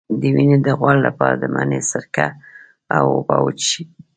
د وینې د غوړ لپاره د مڼې سرکه او اوبه وڅښئ